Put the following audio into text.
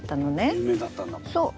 有名だったんだもう。